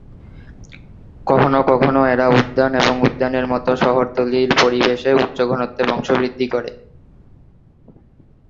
কখনও কখনও এরা উদ্যান এবং উদ্যানের মতো শহরতলির পরিবেশে উচ্চ ঘনত্বে বংশবৃদ্ধি করে।